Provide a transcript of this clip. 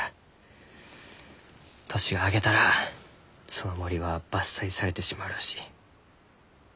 年が明けたらその森は伐採されてしまうらしい。